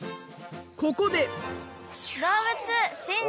ここで。